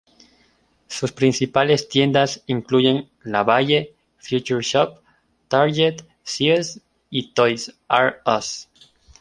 Sus principales tiendas incluyen La Baie, Future Shop, Target, Sears y Toys "R" Us.